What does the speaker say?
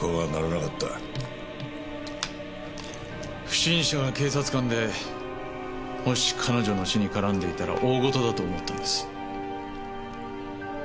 不審者は警察官でもし彼女の死に絡んでいたら大事だと思ったんです。